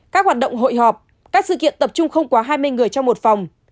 các hoạt động hội họp các sự kiện tập trung không quá hai mươi người trong một phòng